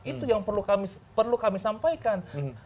itu yang perlu kami sampaikan